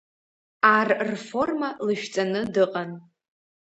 Ар рформа лышәҵаны дыҟан.